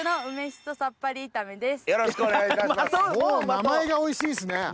名前がおいしいですね。